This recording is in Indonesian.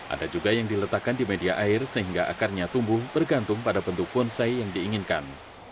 ada juga yang diletakkan di media air sehingga akarnya tumbuh bergantung pada bentuk bonsai yang diinginkan